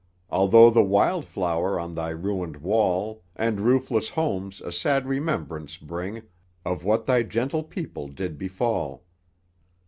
Although the wild flower on thy ruined wall And roofless homes a sad remembrance bring Of what thy gentle people did befall.